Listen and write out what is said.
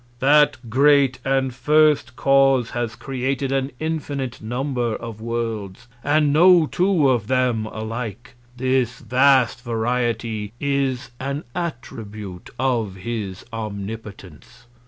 That great and first Cause has created an infinite Number of Worlds, and no two of them alike. This vast Variety is an Attribute of his Omnipotence.